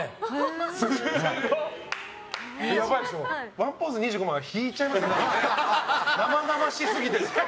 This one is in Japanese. ワンポーズ２５万は引いちゃいますね、生々しすぎて。